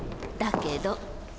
だけど。